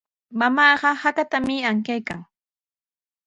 Mamaaqa hakatami ankaykan.